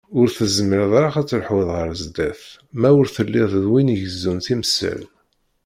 Ur tezmireḍ ara ad telḥuḍ ɣer sdat, ma ur telliḍ d win igezzun timsal.